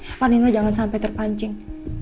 apaan nina jangan sampai terpancing